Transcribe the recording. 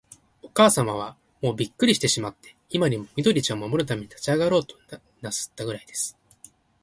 おかあさまは、もうびっくりしてしまって、今にも、緑ちゃんを守るために立ちあがろうとなすったくらいです。